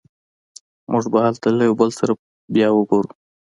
موږ به هلته له یو بل سره بیا وګورو